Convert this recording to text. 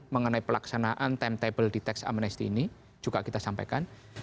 mengenai pelaksanaan timetable di tax amnesty ini juga kita sampaikan